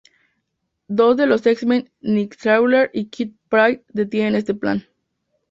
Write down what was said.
Dos de los X-Men, Nightcrawler y Kitty Pryde, detienen este plan.